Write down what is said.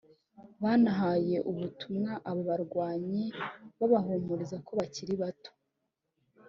banahaye ubutumwa aba barwanyi bubahumuriza ko bakiri bato